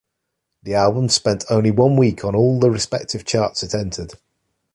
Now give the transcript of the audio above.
The album spent only one week on all the respective charts it entered.